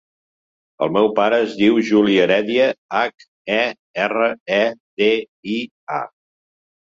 El meu pare es diu Juli Heredia: hac, e, erra, e, de, i, a.